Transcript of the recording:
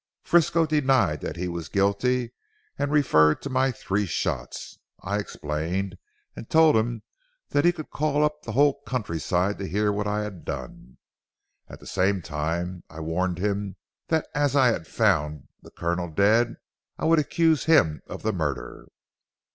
Frisco denied that he was guilty, and referred to my three shots. I explained, and told him he could call up the whole countryside to hear what I had done. At the same time I warned him that as I had found the Colonel dead I would accuse him of the murder.